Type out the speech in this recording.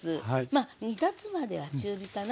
煮立つまでは中火かな。